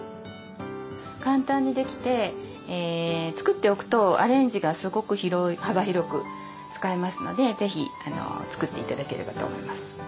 簡単にできて作っておくとアレンジがすごく幅広く使えますので是非作って頂ければと思います。